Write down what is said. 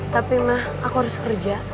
tapi mah aku harus kerja